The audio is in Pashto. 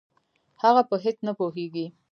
هغه په هېڅ نه پوهېږي.